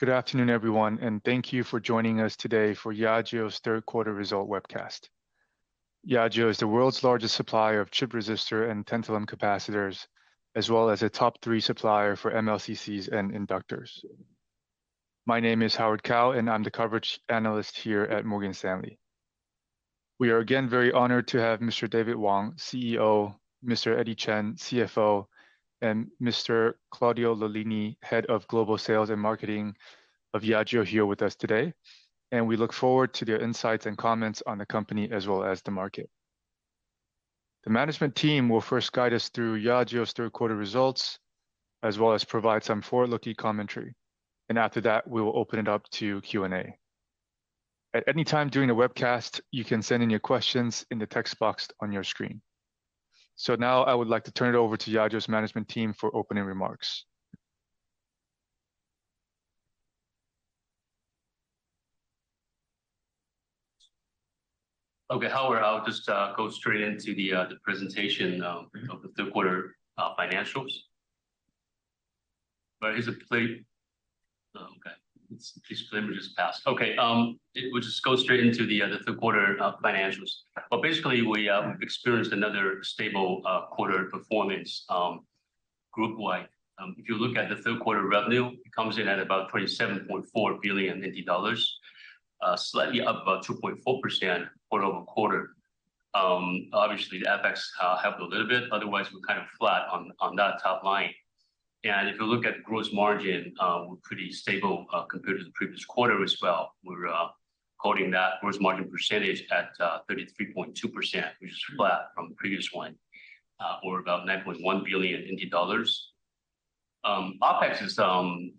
Hello. Good afternoon, everyone, and thank you for joining us today for YAGEO's Third Quarter Results Webcast. YAGEO is the world's largest supplier of chip resistor and tantalum capacitors, as well as a top three supplier for MLCCs and inductors. My name is Howard Kao, and I'm the coverage analyst here at Morgan Stanley. We are again very honored to have Mr. David Wang, CEO, Mr. Eddie Chen, CFO, and Mr. Claudio Lollini, Head of Global Sales and Marketing of YAGEO here with us today, and we look forward to their insights and comments on the company as well as the market. The management team will first guide us through YAGEO's third quarter results, as well as provide some forward-looking commentary, and after that, we will open it up to Q&A. At any time during the webcast, you can send in your questions in the text box on your screen. Now I would like to turn it over to YAGEO's management team for opening remarks. Okay. Howard, I'll just go straight into the presentation of the third quarter financials. Basically we experienced another stable quarter performance groupwide. If you look at the third quarter revenue, it comes in at about 27.4 billion NT dollars, slightly up about 2.4% quarter-over-quarter. Obviously the FX helped a little bit, otherwise we're kind of flat on that top line. If you look at gross margin, we're pretty stable compared to the previous quarter as well. We're quoting that gross margin percentage at 33.2%, which is flat from the previous one, or about 9.1 billion NT dollars. OpEx is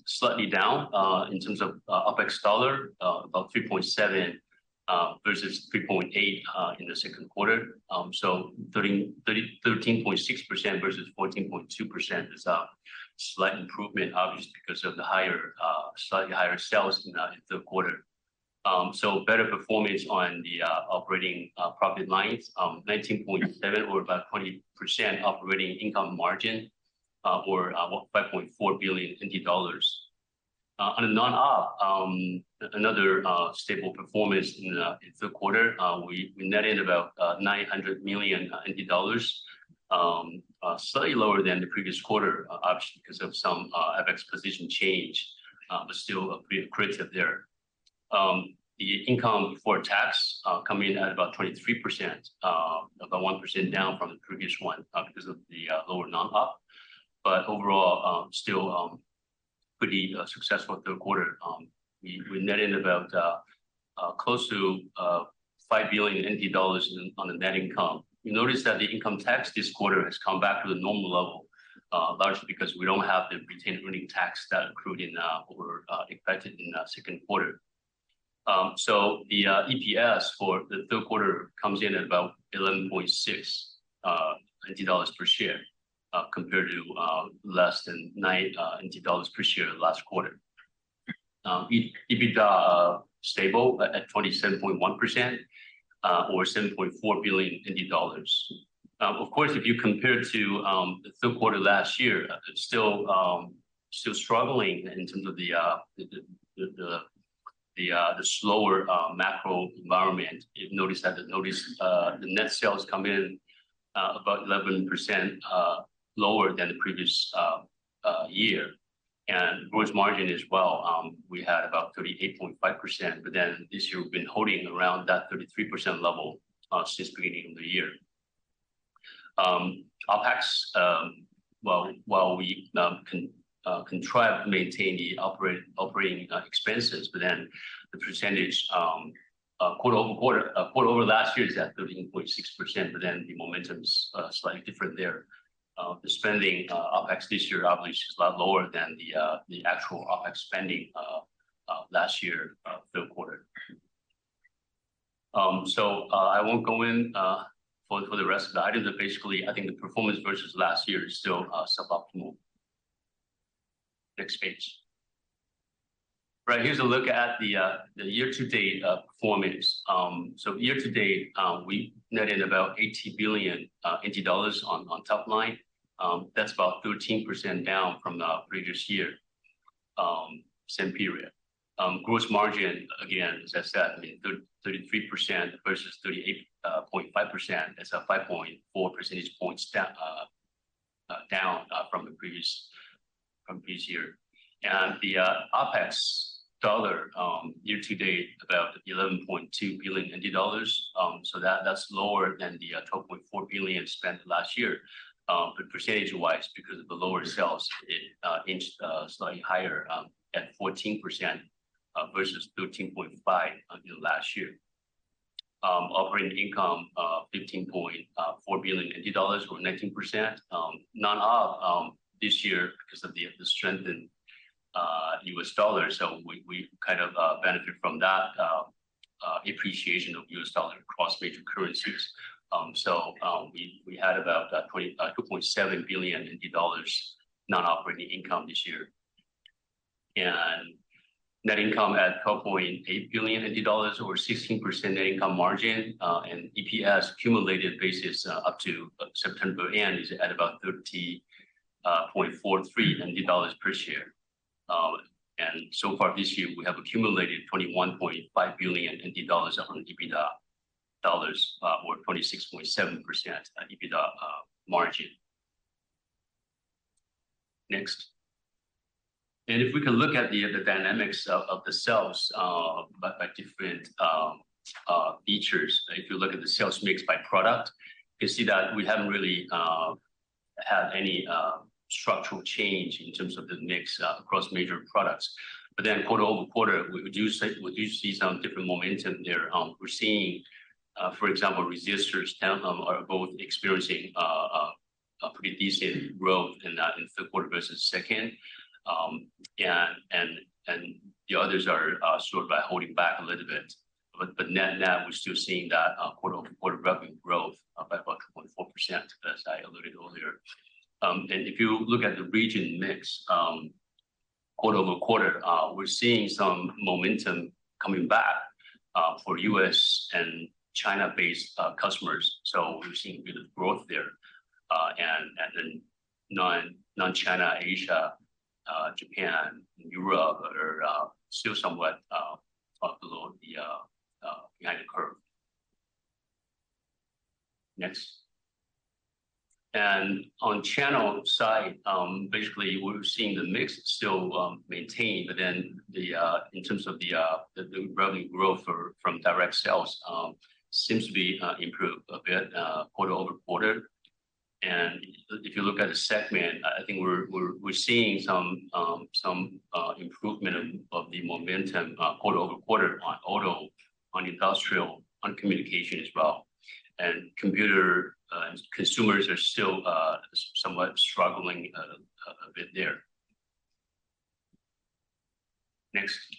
slightly down in terms of OpEx dollars, about 3.7 billion versus 3.8 billion in the second quarter. 13.6% versus 14.2% is a slight improvement, obviously because of the slightly higher sales in the third quarter. Better performance on the operating profit lines. 19.7 or about 20% operating income margin, or about 5.4 billion NT dollars. On a non-op, another stable performance in the third quarter, we netted about 900 million NT dollars, slightly lower than the previous quarter, obviously because of some FX position change, but still a bit credit there. The income before tax come in at about 23%, about 1% down from the previous one, because of the lower non-op. Overall, still pretty successful third quarter. We netted about close to 5 billion NT dollars on the net income. You notice that the income tax this quarter has come back to the normal level, largely because we don't have the retained earning tax that accrued in or expected in the second quarter. The EPS for the third quarter comes in at about 11.6 dollars per share, compared to less than nine TWD per share last quarter. EBITDA, stable at 27.1% or 7.4 billion dollars. Of course, if you compare to the third quarter last year, still struggling in terms of the slower macro environment. You've noticed that the net sales come in about 11% lower than the previous year. Gross margin as well, we had about 38.5%, but then this year we've been holding around that 33% level since beginning of the year. OpEx, well, while we can try to maintain the operating expenses, but then the percentage quarter-over-quarter, year-over-year is at 13.6%, but then the momentum's slightly different there. The spending OpEx this year obviously is a lot lower than the actual OpEx spending last year, third quarter. I won't go in for the rest of the items, but basically I think the performance versus last year is still suboptimal. Next page. Right, here's a look at the year-to-date performance. Year to date, we net in about 80 billion NT dollars on top line. That's about 13% down from the previous year, same period. Gross margin, again, as I said, I mean, 33% versus 38.5%. That's a 5.4 percentage points down from the previous year. The OpEx dollars year to date about 11.2 billion, so that's lower than the 12.4 billion spent last year. But percentage wise because of the lower sales, it is slightly higher at 14% versus 13.5% in last year. Operating income, 15.4 billion TWD or 19%. Non-op this year because of the strengthened U.S. dollar, so we kind of benefit from that appreciation of U.S. dollar across major currencies. We had about 22.7 billion dollars non-operating income this year. Net income at 12.8 billion dollars or 16% net income margin, and EPS cumulative basis up to September end is at about 30.43 dollars per share. So far this year we have accumulated 21.5 billion dollars of EBITDA or 26.7% EBITDA margin. Next. If we can look at the dynamics of the sales by different features. If you look at the sales mix by product, you see that we haven't really had any structural change in terms of the mix across major products. Quarter-over-quarter, we see some different momentum there. We're seeing, for example, resistors, tantalum are both experiencing a pretty decent growth in third quarter versus second. Yeah, and the others are sort of holding back a little bit. Net-net, we're still seeing that quarter-over-quarter revenue growth of about 1.4%, as I alluded earlier. If you look at the region mix, quarter-over-quarter, we're seeing some momentum coming back for U.S. and China-based customers. We're seeing a bit of growth there. Non-China Asia, Japan, and Europe are still somewhat below the guiding curve. On channel side, basically we're seeing the mix still maintained, but then in terms of the revenue growth from direct sales seems to be improved a bit quarter-over-quarter. If you look at the segment, I think we're seeing some improvement of the momentum quarter-over-quarter on auto, on industrial, on communication as well. Computer and consumers are still somewhat struggling a bit there. Next. Right,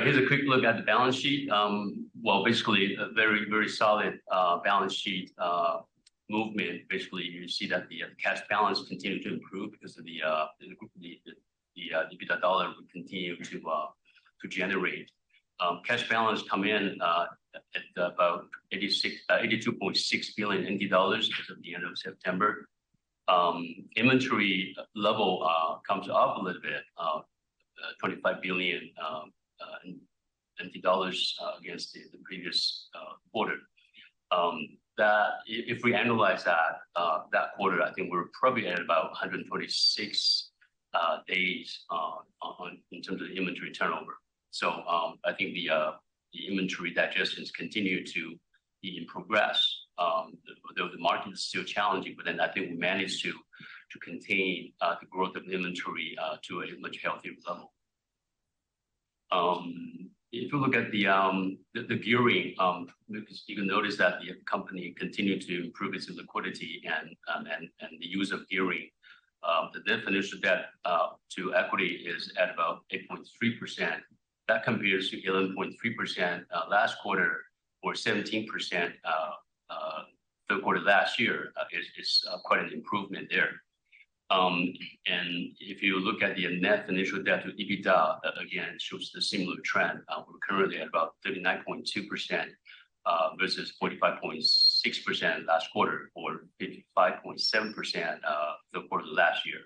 here's a quick look at the balance sheet. Well, basically a very solid balance sheet movement. Basically, you see that the cash balance continued to improve because of the group's EBITDA dollars will continue to generate. Cash balance comes in at about 82.6 billion dollars as of the end of September. Inventory level comes up a little bit, 25 billion dollars against the previous quarter. If we annualize that quarter, I think we're probably at about 126 days in terms of the inventory turnover. I think the inventory digestions continue to be in progress. The market is still challenging, but then I think we managed to contain the growth of inventory to a much healthier level. If you look at the gearing, you can notice that the company continued to improve its liquidity and the use of gearing. The definition of debt to equity is at about 8.3%. That compares to 11.3% last quarter or 17% third quarter last year. It's quite an improvement there. If you look at the net debt to EBITDA, that again shows the similar trend. We're currently at about 39.2%, versus 45.6% last quarter or 55.7% third quarter last year.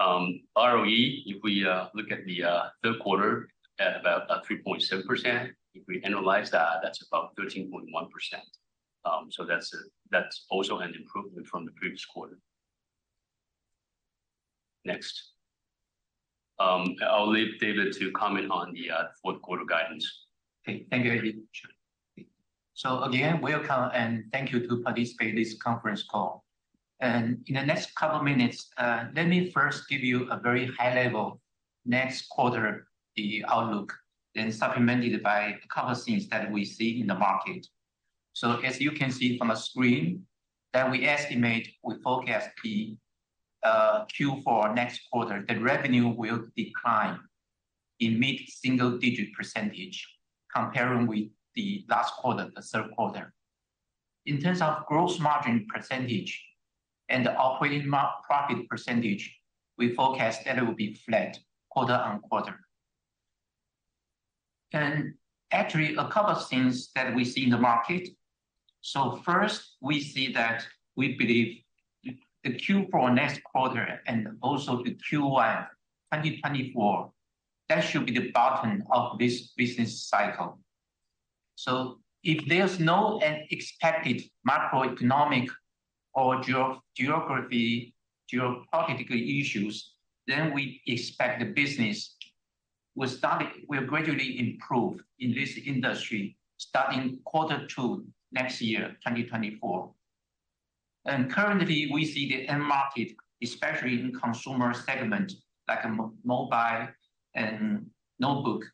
ROE, if we look at the third quarter at about 3.7%, if we annualize that's about 13.1%. That's also an improvement from the previous quarter. Next. I'll leave David to comment on the fourth quarter guidance. Okay. Thank you, Eddie. Again, welcome and thank you to participate in this conference call. In the next couple minutes, let me first give you a very high-level next quarter outlook, then supplemented by a couple of things that we see in the market. As you can see from the screen that we estimate we forecast the Q4 next quarter, the revenue will decline in mid-single-digit % comparing with the last quarter, the third quarter. In terms of gross margin % and the operating profit %, we forecast that it will be flat quarter-on-quarter. Actually, a couple of things that we see in the market. First, we see that we believe the Q4 next quarter and also the Q1 2024, that should be the bottom of this business cycle. If there's no unexpected macroeconomic or geopolitical issues, then we expect the business will gradually improve in this industry starting quarter two next year, 2024. Currently we see the end market, especially in consumer segment, like mobile and notebook,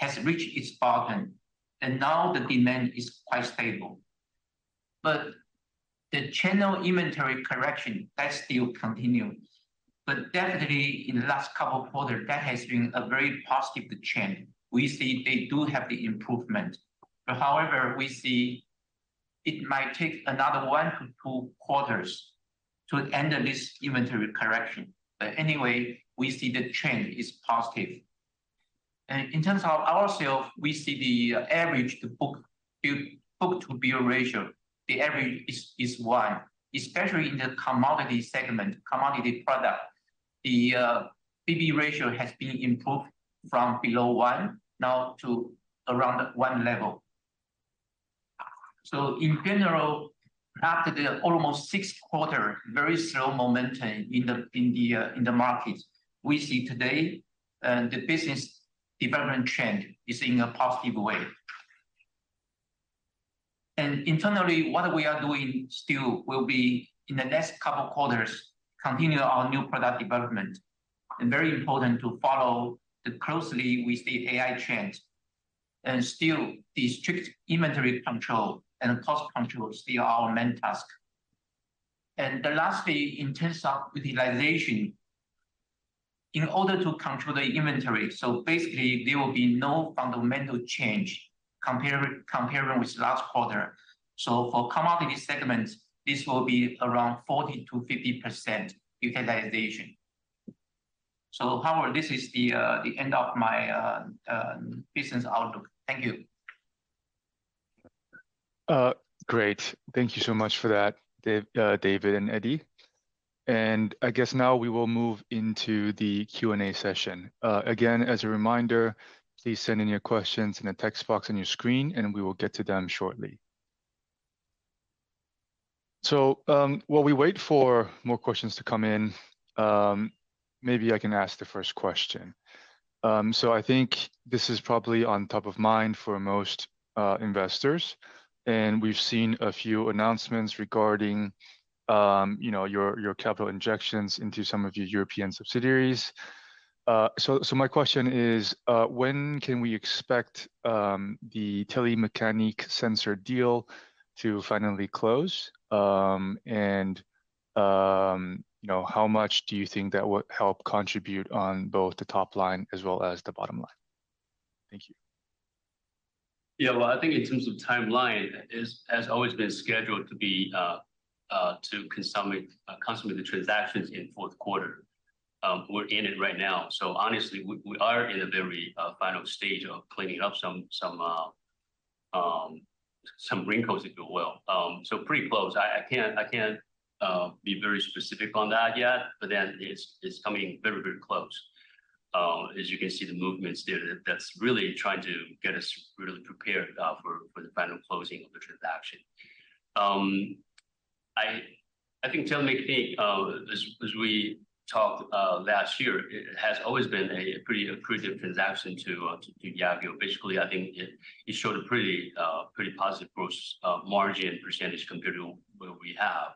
has reached its bottom, and now the demand is quite stable. The channel inventory correction, that's still continuing. Definitely in the last couple of quarters, that has been a very positive trend. We see they do have the improvement. However, we see It might take another 1-2 quarters to end this inventory correction. Anyway, we see the trend is positive. In terms of our sales, we see the average book-to-bill ratio is one, especially in the commodity segment, commodity product. BB ratio has been improved from below one now to around one level. In general, after almost six quarters of very slow momentum in the market, we see today the business development trend is in a positive way. Internally, what we are doing still will be, in the next couple of quarters, to continue our new product development, and very important to follow closely with the AI trend. Still, the strict inventory control and cost control is still our main task. Lastly, in terms of utilization, in order to control the inventory, basically there will be no fundamental change comparing with last quarter. For commodity segment, this will be around 40%-50% utilization. Howard, this is the end of my business outlook. Thank you. Great. Thank you so much for that, David and Eddie. I guess now we will move into the Q&A session. Again, as a reminder, please send in your questions in the text box on your screen, and we will get to them shortly. While we wait for more questions to come in, maybe I can ask the first question. I think this is probably on top of mind for most investors, and we've seen a few announcements regarding, you know, your capital injections into some of your European subsidiaries. My question is, when can we expect the Telemecanique Sensors deal to finally close? You know, how much do you think that will help contribute on both the top line as well as the bottom line? Thank you. Yeah. Well, I think in terms of timeline, it has always been scheduled to consummate the transactions in fourth quarter. We're in it right now, so honestly we are in a very final stage of cleaning up some wrinkles, if you will. Pretty close. I can't be very specific on that yet, but it's coming very close. As you can see the movements there, that's really trying to get us really prepared for the final closing of the transaction. I think Telemecanique, as we talked last year, it has always been a pretty accretive transaction to YAGEO. Basically, I think it showed a pretty positive gross margin percentage compared to what we have.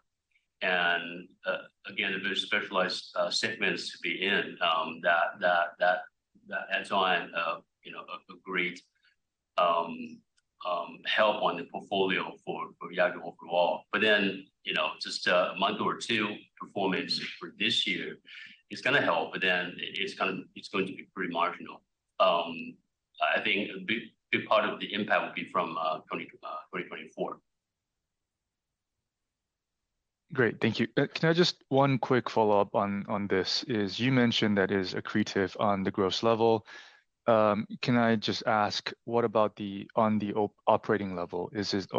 Again, a very specialized segments to be in that adds on, you know, a great help on the portfolio for YAGEO overall. Then, you know, just a month or two performance for this year is gonna help, but then it's kinda going to be pretty marginal. I think a big part of the impact will be from 2024. Great. Thank you. Can I just one quick follow-up on this, you mentioned that it is accretive on the gross level. Can I just ask, what about on the operating level? Is it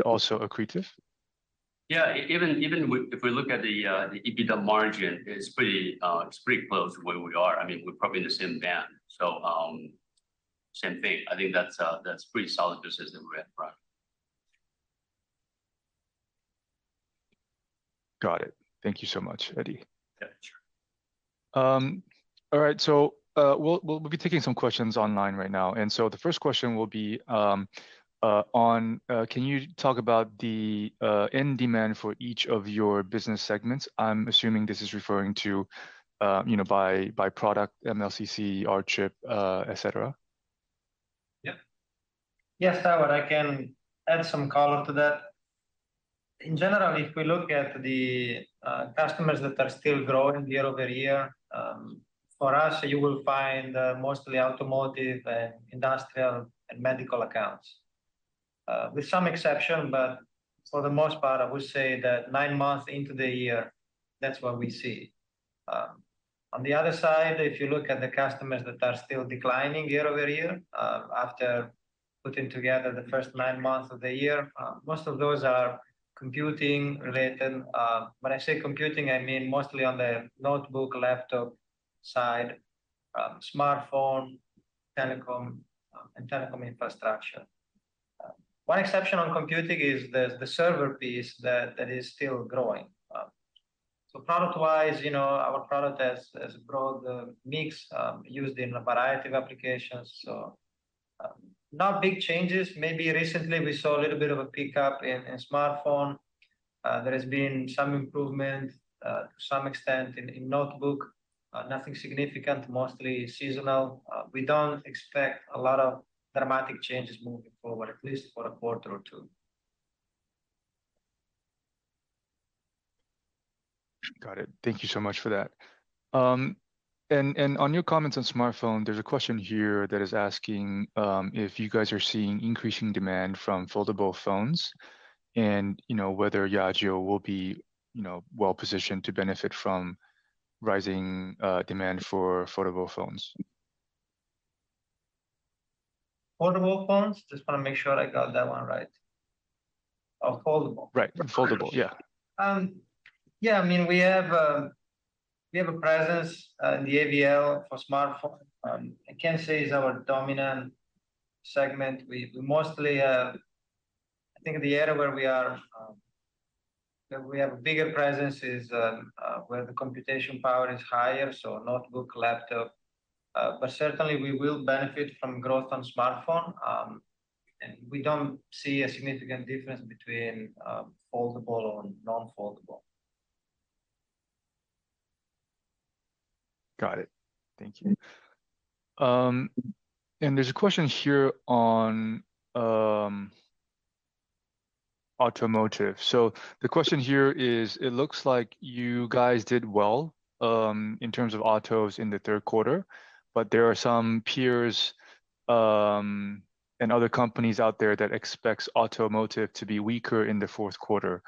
also accretive? Yeah. Even if we look at the EBITDA margin, it's pretty close to where we are. I mean, we're probably in the same band. Same thing. I think that's pretty solid thesis that we have, right. Got it. Thank you so much, Eddie. Yeah, sure. All right. We'll be taking some questions online right now. The first question will be on, "Can you talk about the end demand for each of your business segments?" I'm assuming this is referring to, you know, by product, MLCC, R chip, et cetera. Yeah. Yes, Howard, I can add some color to that. In general, if we look at the customers that are still growing year over year, for us, you will find mostly automotive and industrial and medical accounts. With some exception, but for the most part, I would say that nine months into the year, that's what we see. On the other side, if you look at the customers that are still declining year over year, after putting together the first nine months of the year, most of those are computing related. When I say computing, I mean mostly on the notebook, laptop side, smartphone, telecom, and telecom infrastructure. One exception on computing is the server piece that is still growing. Product-wise, you know, our product has a broad mix used in a variety of applications. Not big changes. Maybe recently we saw a little bit of a pickup in smartphone. There has been some improvement, to some extent, in notebook. Nothing significant, mostly seasonal. We don't expect a lot of dramatic changes moving forward, at least for a quarter or two. Got it. Thank you so much for that. On your comments on smartphone, there's a question here that is asking if you guys are seeing increasing demand from foldable phones and, you know, whether YAGEO will be, you know, well-positioned to benefit from rising demand for foldable phones. Foldable phones? Just wanna make sure I got that one right. Oh, foldable. Right. Foldable, yeah. Yeah, I mean, we have a presence in the AVL for smartphone. I can't say it's our dominant segment. We mostly have I think the area where we have a bigger presence is where the computation power is higher, so notebook, laptop. Certainly we will benefit from growth on smartphone. We don't see a significant difference between foldable and non-foldable. Got it. Thank you. There's a question here on automotive. The question here is, it looks like you guys did well in terms of autos in the third quarter, but there are some peers and other companies out there that expects automotive to be weaker in the fourth quarter.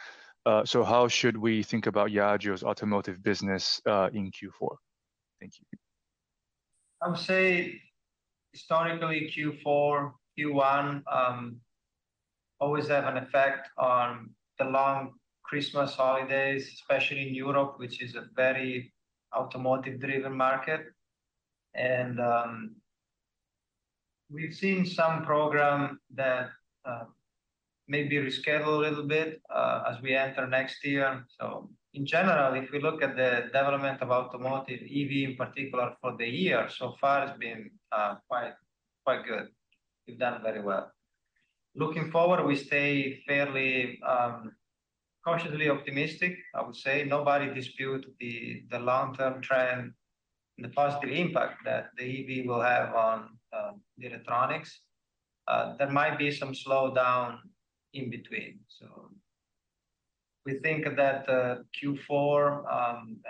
How should we think about YAGEO's automotive business in Q4? Thank you. I would say historically Q4, Q1 always have an effect on the long Christmas holidays, especially in Europe, which is a very automotive-driven market. We've seen some program that may be rescheduled a little bit as we enter next year. In general, if we look at the development of automotive, EV in particular for the year, so far it's been quite good. We've done very well. Looking forward, we stay fairly cautiously optimistic, I would say. Nobody dispute the long-term trend and the positive impact that the EV will have on the electronics. There might be some slowdown in between. We think that Q4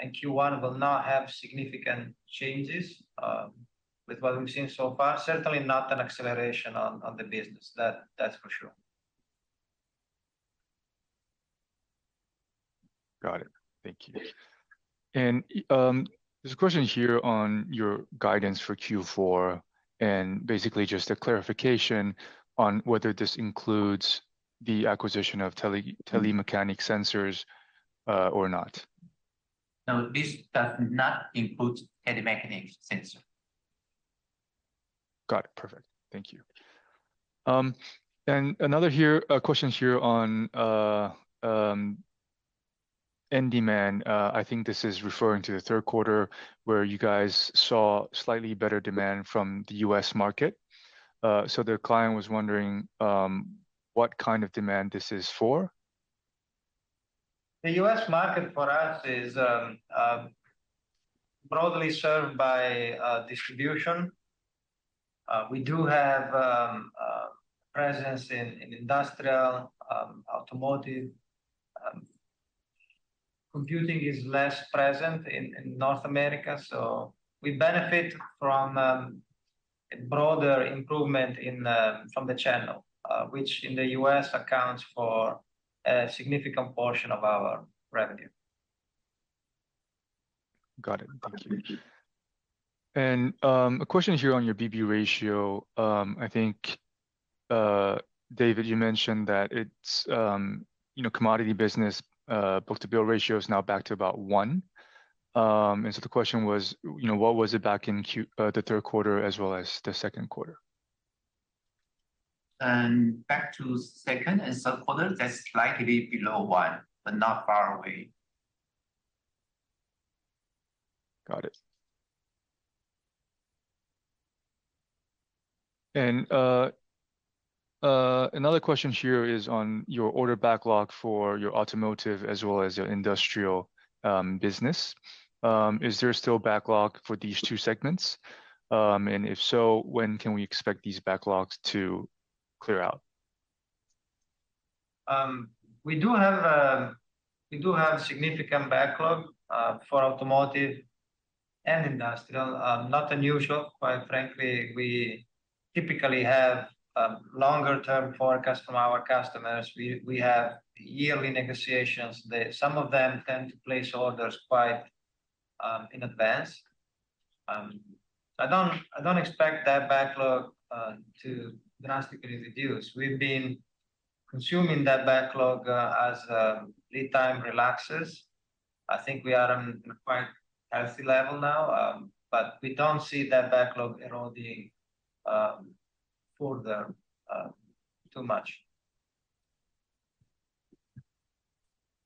and Q1 will not have significant changes with what we've seen so far. Certainly not an acceleration on the business. That's for sure. Got it. Thank you. There's a question here on your guidance for Q4, and basically just a clarification on whether this includes the acquisition of Telemecanique Sensors or not? No, this does not include Telemecanique Sensors. Got it. Perfect. Thank you. Another question here on end demand. I think this is referring to the third quarter where you guys saw slightly better demand from the U.S. market. The client was wondering what kind of demand this is for? The U.S. market for us is broadly served by distribution. We do have presence in industrial, automotive. Computing is less present in North America, so we benefit from a broader improvement from the channel, which in the U.S. accounts for a significant portion of our revenue. Got it. Thank you. A question here on your BB ratio. I think, David, you mentioned that it's, you know, commodity business, book-to-bill ratio is now back to about one. The question was, you know, what was it back in the third quarter as well as the second quarter? Back to second and third quarter, that's slightly below one, but not far away. Got it. Another question here is on your order backlog for your automotive as well as your industrial business. Is there still backlog for these two segments? If so, when can we expect these backlogs to clear out? We do have significant backlog for automotive and industrial. Not unusual, quite frankly. We typically have longer term forecast from our customers. We have yearly negotiations. Some of them tend to place orders quite in advance. I don't expect that backlog to drastically reduce. We've been consuming that backlog as lead time relaxes. I think we are in a quite healthy level now, but we don't see that backlog eroding further too much.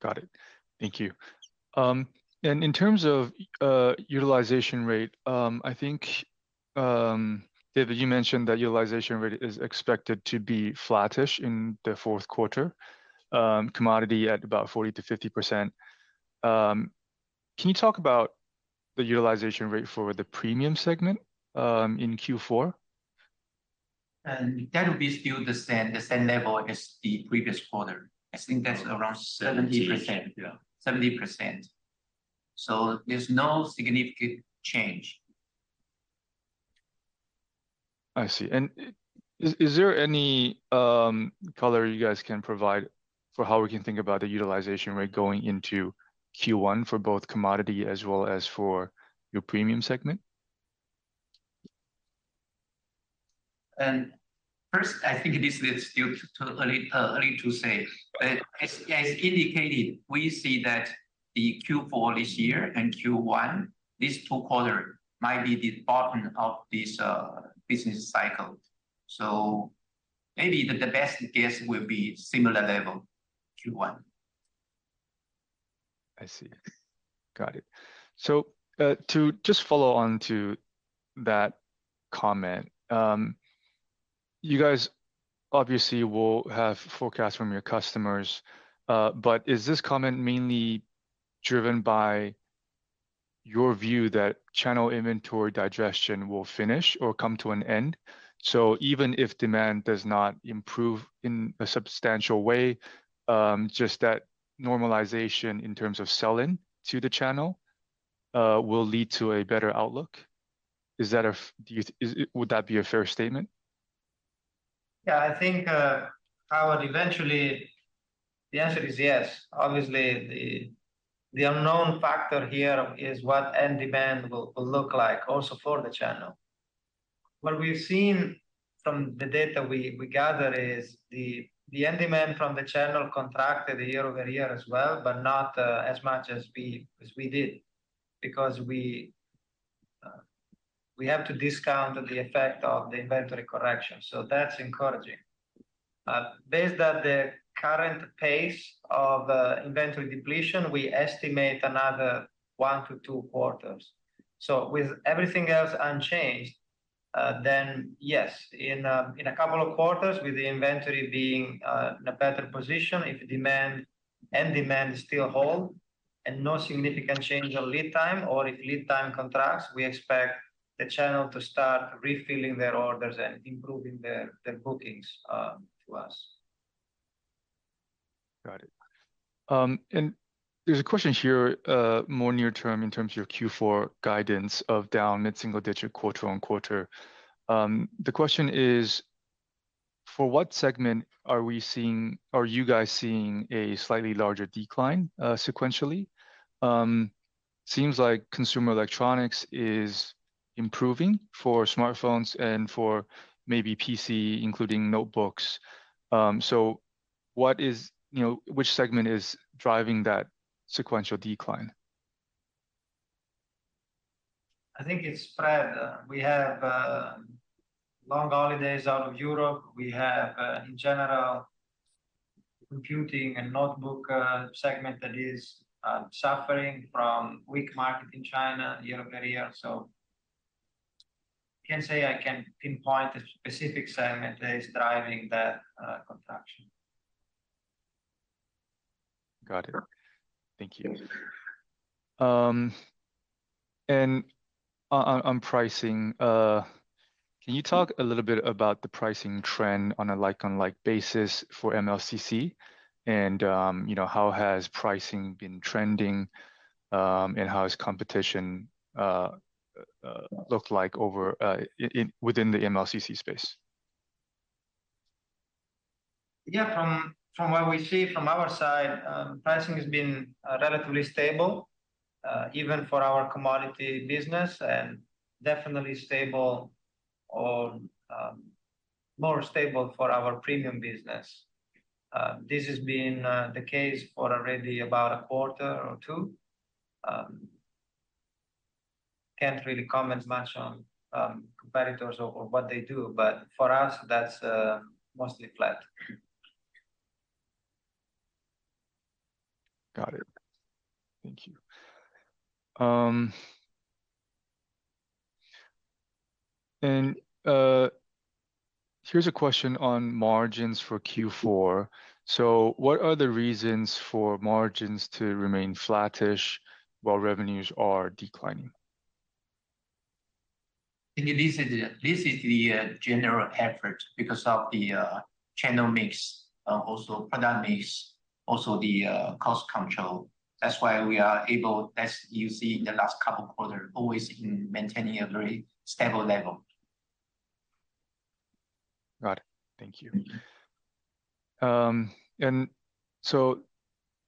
Got it. Thank you. In terms of utilization rate, I think, David, you mentioned that utilization rate is expected to be flattish in the fourth quarter, commodity at about 40%-50%. Can you talk about the utilization rate for the premium segment in Q4? That will be still the same level as the previous quarter. I think that's around 70%. 70, yeah. 70%. There's no significant change. I see. Is there any color you guys can provide for how we can think about the utilization rate going into Q1 for both commodity as well as for your premium segment? First, I think it is still too early to say. As indicated, we see that the Q4 this year and Q1, these two quarter might be the bottom of this business cycle. Maybe the best guess will be similar level to Q1. I see. Got it. To just follow on to that comment, you guys obviously will have forecasts from your customers, but is this comment mainly driven by your view that channel inventory digestion will finish or come to an end? Even if demand does not improve in a substantial way, just that normalization in terms of sell-in to the channel will lead to a better outlook. Would that be a fair statement? Yeah, I think, Howard, eventually the answer is yes. Obviously, the unknown factor here is what end demand will look like also for the channel. What we've seen from the data we gathered is the end demand from the channel contracted year-over-year as well, but not as much as we did because we have to discount the effect of the inventory correction. That's encouraging. Based on the current pace of inventory depletion, we estimate another 1-2 quarters. With everything else unchanged, then yes, in a couple of quarters with the inventory being in a better position, if end demand is still whole and no significant change on lead time, or if lead time contracts, we expect the channel to start refilling their orders and improving their bookings to us. Got it. There's a question here, more near-term in terms of your Q4 guidance of down mid-single-digit quarter-on-quarter. The question is, for what segment are you guys seeing a slightly larger decline, sequentially? Seems like consumer electronics is improving for smartphones and for maybe PC, including notebooks. You know, which segment is driving that sequential decline? I think it's spread. We have long holidays out of Europe. We have, in general, computing and notebook segment that is suffering from weak market in China and Europe area. Can't say I can pinpoint a specific segment that is driving that contraction. Got it. Thank you. On pricing, can you talk a little bit about the pricing trend on a like-on-like basis for MLCC? You know, how has pricing been trending, and how has competition looked like over within the MLCC space? Yeah. From what we see from our side, pricing has been relatively stable, even for our commodity business, and definitely stable or more stable for our premium business. This has been the case for already about a quarter or two. Can't really comment much on competitors or what they do, but for us, that's mostly flat. Got it. Thank you. Here's a question on margins for Q4. What are the reasons for margins to remain flattish while revenues are declining? I think this is the general effort because of the channel mix, also product mix, also the cost control. That's why we are able, as you see in the last couple quarter, always in maintaining a very stable level. Got it. Thank you.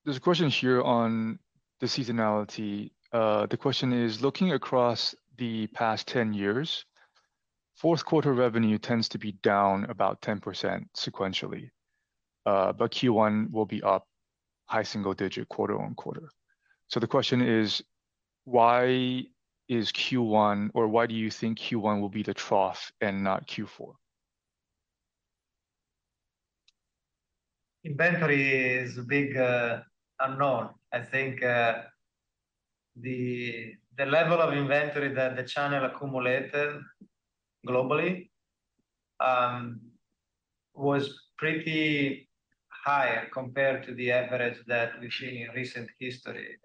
There's a question here on the seasonality. The question is, looking across the past 10 years, fourth quarter revenue tends to be down about 10% sequentially, but Q1 will be up high single digit quarter on quarter. The question is, why is Q1 or why do you think Q1 will be the trough and not Q4? Inventory is a big unknown. I think the level of inventory that the channel accumulated globally was pretty high compared to the average that we've seen in recent history.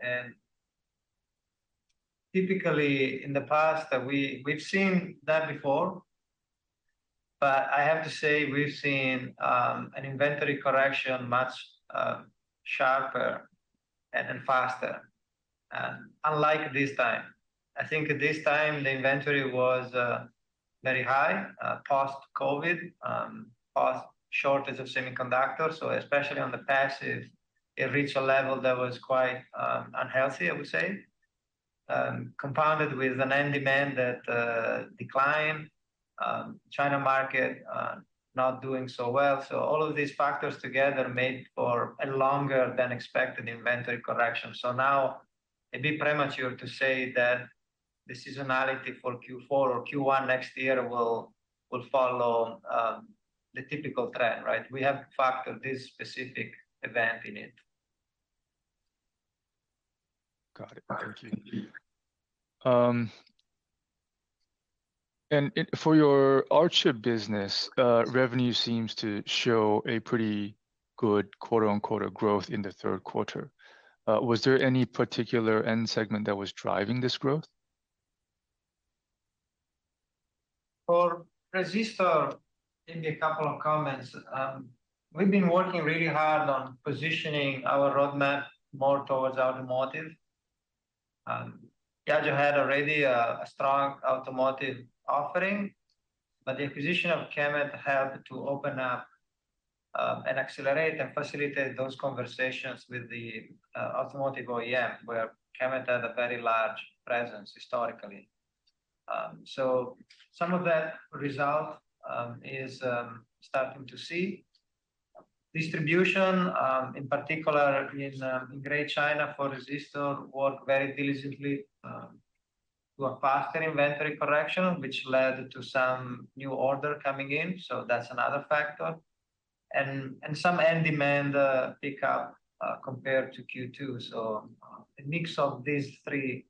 Typically in the past we've seen that before. I have to say, we've seen an inventory correction much sharper and faster unlike this time. I think this time the inventory was very high post-COVID post shortage of semiconductors. Especially on the passive, it reached a level that was quite unhealthy, I would say. Compounded with an end demand that declined, China market not doing so well. All of these factors together made for a longer than expected inventory correction. Now it'd be premature to say that the seasonality for Q4 or Q1 next year will follow the typical trend, right? We have factored this specific event in it. Got it. Thank you. For your resistor business, revenue seems to show a pretty good quote-unquote growth in the third quarter. Was there any particular end segment that was driving this growth? For resistor, maybe a couple of comments. We've been working really hard on positioning our roadmap more towards automotive. YAGEO had already a strong automotive offering, but the acquisition of KEMET helped to open up and accelerate and facilitate those conversations with the automotive OEM, where KEMET had a very large presence historically. We're starting to see some of that result. Distribution, in particular in Greater China for resistor, worked very diligently to a faster inventory correction, which led to some new order coming in, so that's another factor. Some end demand pickup compared to Q2. A mix of these three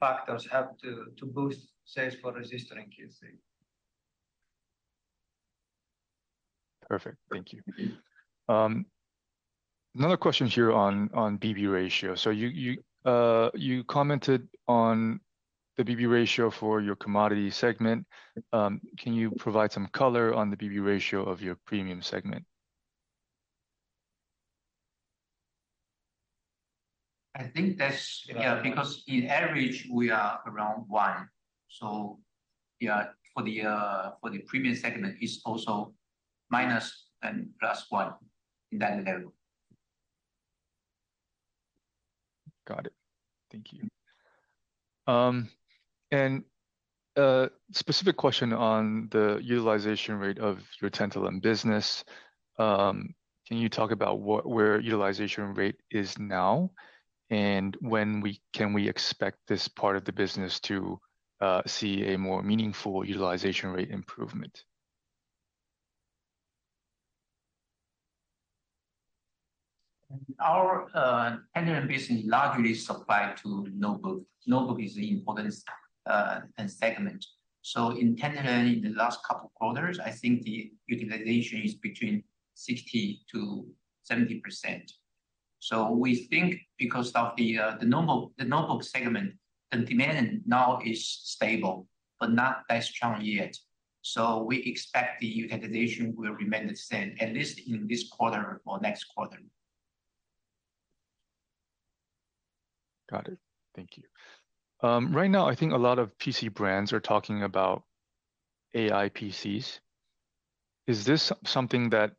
factors helped to boost sales for resistor in Q3. Perfect. Thank you. Another question here on BB ratio. You commented on the BB ratio for your commodity segment. Can you provide some color on the BB ratio of your premium segment? I think that's. Yeah, because on average we are around one. Yeah, for the premium segment is also minus and plus one in that level. Got it. Thank you. A specific question on the utilization rate of your tantalum business. Can you talk about where utilization rate is now, and can we expect this part of the business to see a more meaningful utilization rate improvement? Our tantalum business largely supply to notebook. Notebook is the important segment. In tantalum in the last couple quarters, I think the utilization is between 60%-70%. We think because of the notebook segment, the demand now is stable, but not that strong yet. We expect the utilization will remain the same, at least in this quarter or next quarter. Got it. Thank you. Right now I think a lot of PC brands are talking about AI PCs. Is this something that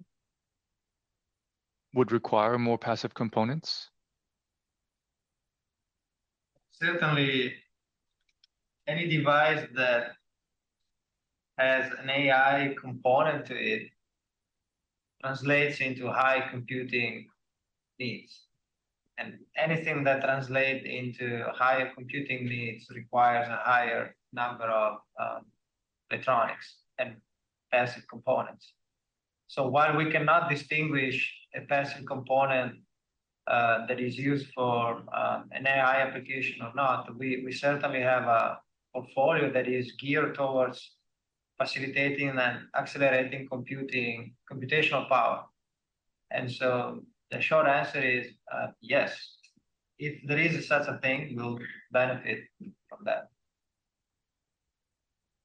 would require more passive components? Certainly any device that has an AI component to it translates into high computing needs. Anything that translate into higher computing needs requires a higher number of electronics and passive components. While we cannot distinguish a passive component that is used for an AI application or not, we certainly have a portfolio that is geared towards facilitating and accelerating computing, computational power. The short answer is yes. If there is such a thing, we'll benefit from that.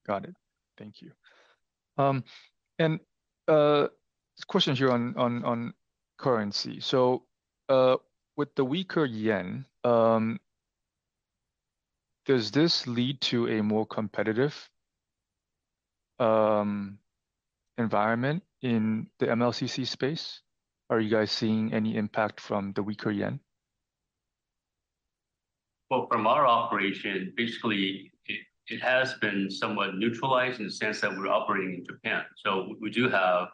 Got it. Thank you. This question is here on currency. With the weaker yen, does this lead to a more competitive environment in the MLCC space? Are you guys seeing any impact from the weaker yen? Well, from our operation, basically it has been somewhat neutralized in the sense that we're operating in Japan. We do have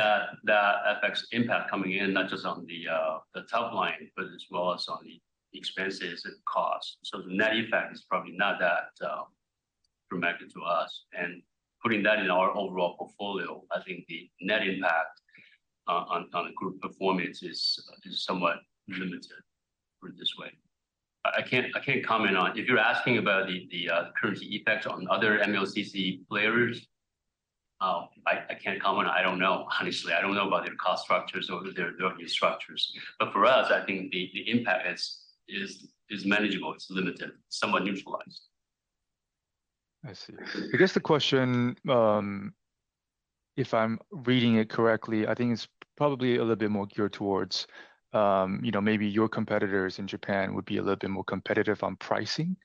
that the FX impact coming in, not just on the top line, but as well as on the expenses and costs. The net impact is probably not that dramatic to us. Putting that in our overall portfolio, I think the net impact on the group performance is somewhat limited, put it this way. I can't comment on if you're asking about the currency effect on other MLCC players. I can't comment. I don't know, honestly. I don't know about their cost structures or their structures. For us, I think the impact is manageable, it's limited, somewhat neutralized. I see. I guess the question, if I'm reading it correctly, I think it's probably a little bit more geared towards, you know, maybe your competitors in Japan would be a little bit more competitive on pricing.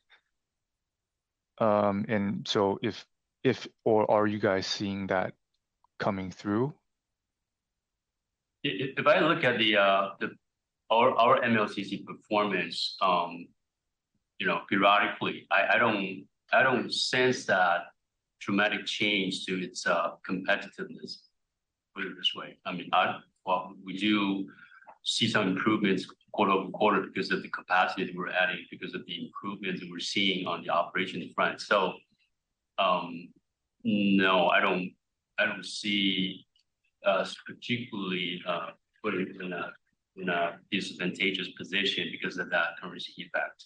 Or are you guys seeing that coming through? If I look at our MLCC performance, you know, periodically, I don't sense that dramatic change to its competitiveness. Put it this way, I mean, well, we do see some improvements quarter-over-quarter because of the capacity that we're adding, because of the improvements that we're seeing on the operations front. No, I don't see us particularly putting it in a disadvantageous position because of that currency effect.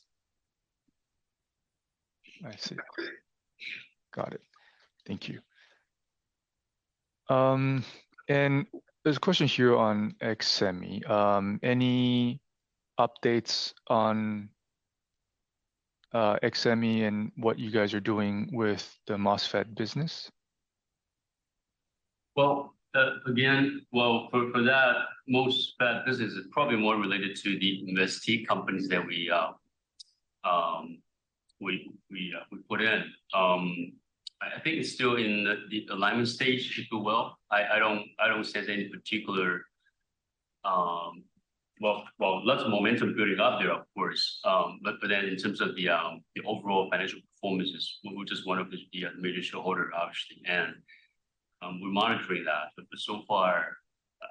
I see. Got it. Thank you. There's a question here on APEC. Any updates on APEC and what you guys are doing with the MOSFET business? Well, again, well, for that MOSFET business is probably more related to the investee companies that we put in. I think it's still in the alignment stage super well. I don't sense any particular. Well, lots of momentum building up there, of course. But then in terms of the overall financial performances, we're just one of the major shareholder, obviously. We're monitoring that. So far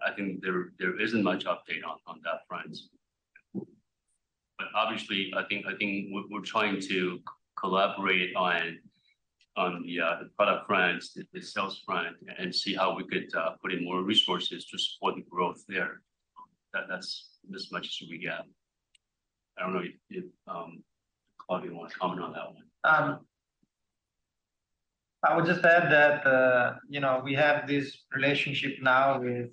I think there isn't much update on that front. Obviously, I think we're trying to collaborate on the product front, the sales front, and see how we could put in more resources to support the growth there. That's as much as we get. I don't know if Claudio wanna comment on that one. I would just add that, you know, we have this relationship now with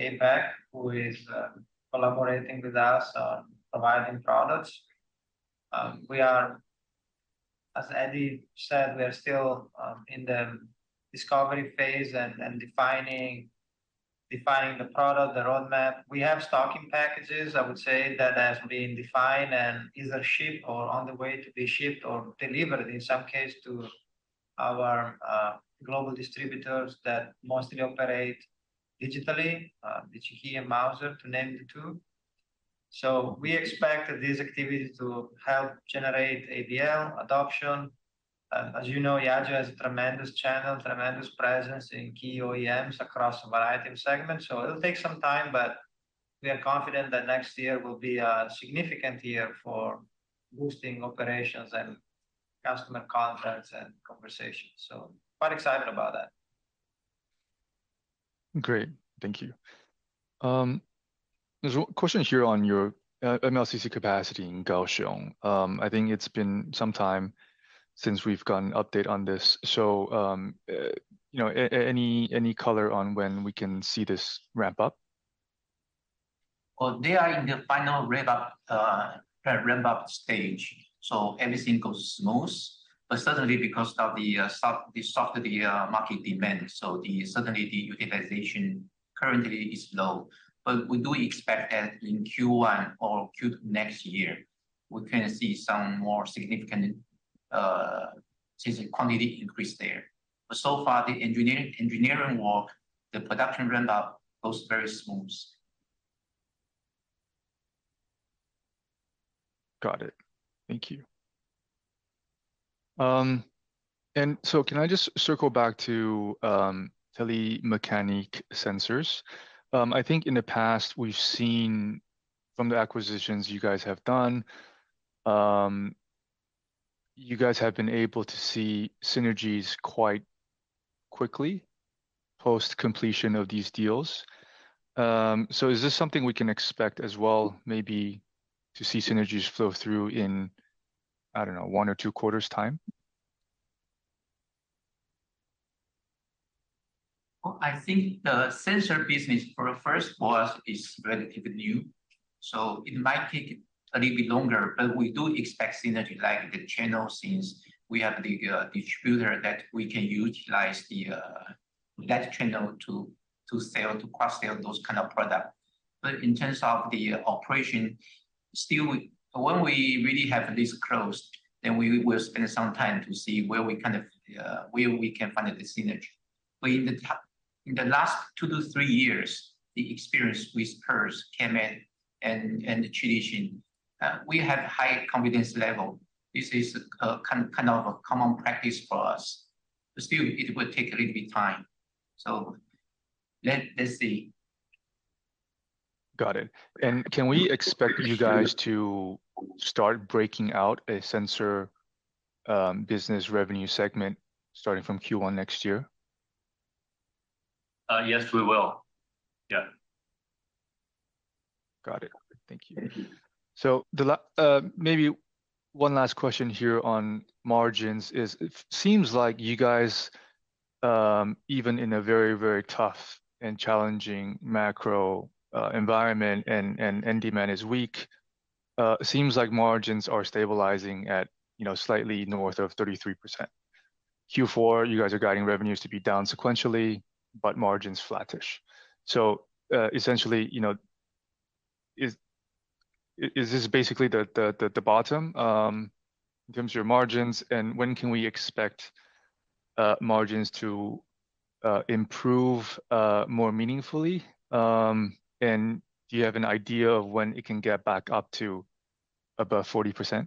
APEC, who is collaborating with us on providing products. We are, as Eddie said, we are still in the discovery phase and defining the product, the roadmap. We have stocking packages, I would say, that has been defined and either shipped or on the way to be shipped or delivered in some case to our global distributors that mostly operate digitally, which are Digi-Key and Mouser to name the two. We expect these activities to help generate AVL adoption. As you know, YAGEO has a tremendous channel, tremendous presence in key OEMs across a variety of segments. It'll take some time, but we are confident that next year will be a significant year for boosting operations and customer contacts and conversations. Quite excited about that. Great. Thank you. There's a question here on your MLCC capacity in Kaohsiung. I think it's been some time since we've got an update on this. Any color on when we can see this ramp up? Well, they are in the final ramp up stage, so everything goes smooth. Certainly because of the softer market demand, the utilization currently is low. We do expect that in Q1 or Q2 next year, we're gonna see some more significant quantity increase there. So far, the engineering work, the production ramp up goes very smooth. Got it. Thank you. Can I just circle back to Telemecanique Sensors? I think in the past we've seen from the acquisitions you guys have done, you guys have been able to see synergies quite quickly post-completion of these deals. Is this something we can expect as well, maybe to see synergies flow through in, I don't know, one or two quarters' time? Well, I think the sensor business for us is relatively new, so it might take a little bit longer. We do expect synergy like the channel, since we have the distributor that we can utilize that channel to sell, to cross-sell those kind of product. In terms of the operation, still when we really have this closed, then we will spend some time to see where we kind of, where we can find the synergy. In the last 2-3 years, the experience with Pulse, KEMET and Chilisin, we have high confidence level. This is a kind of a common practice for us. Still, it would take a little bit time. Let's see. Got it. Can we expect you guys to start breaking out a sensor business revenue segment starting from Q1 next year? Yes, we will. Yeah. Got it. Thank you. Thank you. Maybe one last question here on margins. It seems like you guys, even in a very, very tough and challenging macro environment and demand is weak, seems like margins are stabilizing at, you know, slightly north of 33%. Q4, you guys are guiding revenues to be down sequentially, but margins flattish. Essentially, you know, is this basically the bottom in terms of your margins? And when can we expect margins to improve more meaningfully? And do you have an idea of when it can get back up to above 40%?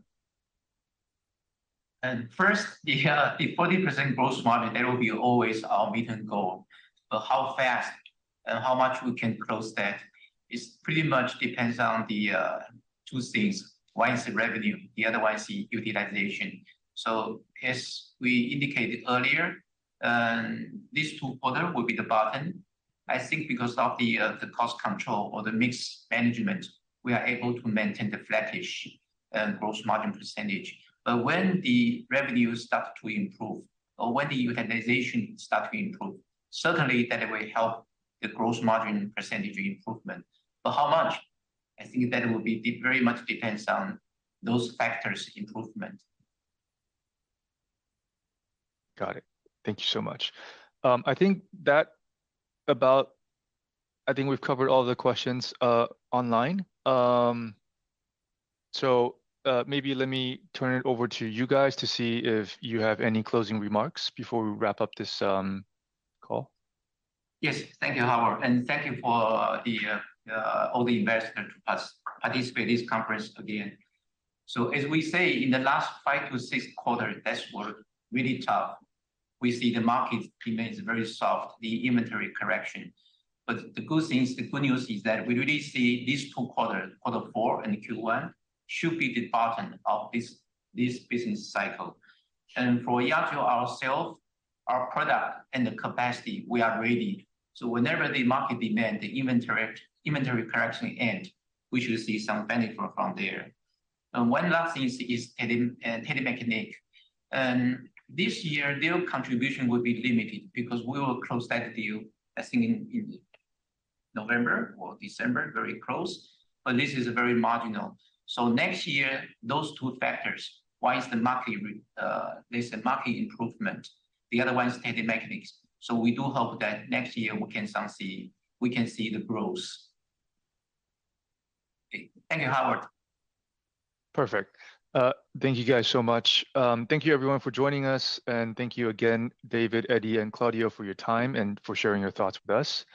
First, yeah, the 40% gross margin, that will be always our mid-term goal. But how fast and how much we can close that is pretty much depends on the two things. One is the revenue, the other one is the utilization. As we indicated earlier, these two quarters will be the bottom, I think because of the cost control or the mix management, we are able to maintain the flattish gross margin percentage. But when the revenue starts to improve or when the utilization start to improve, certainly that will help the gross margin percentage improvement. But how much? I think that will be very much depends on those factors' improvement. Got it. Thank you so much. I think we've covered all the questions online. Maybe let me turn it over to you guys to see if you have any closing remarks before we wrap up this call. Yes. Thank you, Howard, and thank you for the invitation for us to participate in this conference again. As we say, in the last five to six quarters, they were really tough. We see the market remains very soft, the inventory correction. The good news is that we really see these two quarters, quarter four and Q1, should be the bottom of this business cycle. For YAGEO ourselves, our products and the capacity, we are ready. Whenever the market demand, the inventory correction ends, we should see some benefit from there. One last thing is Telemecanique. This year, their contribution will be limited because we will close that deal, I think in November or December, very close. This is very marginal. Next year, those two factors, one is the market improvement. The other one is Telemecanique Sensors. We do hope that next year we can see the growth. Thank you, Howard. Perfect. Thank you guys so much. Thank you everyone for joining us, and thank you again, David, Eddie, and Claudio for your time and for sharing your thoughts with us.